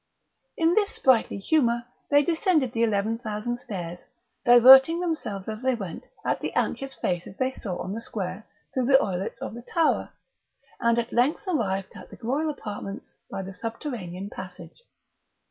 In this sprightly humour they descended the eleven thousand stairs, diverting themselves as they went at the anxious faces they saw on the square through the oilets of the tower, and at length arrived at the royal apartments by the subterranean passage.